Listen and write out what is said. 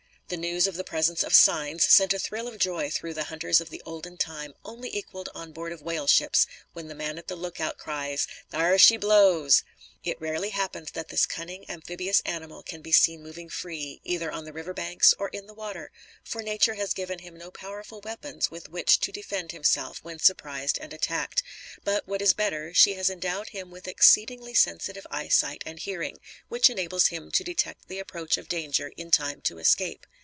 The news of the presence of "signs" sent a thrill of joy through the hunters of the olden time only equalled on board of whale ships when the man at the lookout cries "there she blows". It rarely happens that this cunning, amphibious animal can be seen moving free, either on the river banks, or in the water; for nature has given him no powerful weapons with which to defend himself when surprised and attacked; but, what is better, she has endowed him with exceedingly sensitive eyesight and hearing, which enables him to detect the approach of danger in time to escape.